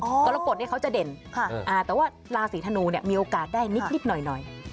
กรกฎเขาจะเด่นแต่ว่าราศีธนูเนี่ยมีโอกาสได้นิดหน่อย